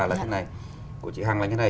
là thế này của chị hằng là như thế này